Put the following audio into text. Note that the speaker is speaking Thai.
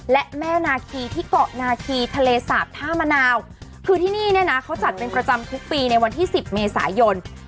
และแม่นาคีที่เกาะนาคีทะเลสาบท่ามะนาวคือที่นี่เนี่ยนะเขาจัดเป็นประจำทุกปีในวันที่สิบเมษายน